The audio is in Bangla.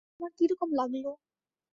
তোমার কী রকম লাগল?